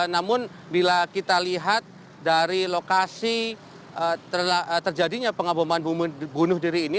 namun bila kita lihat dari lokasi terjadinya pengaboman bunuh diri ini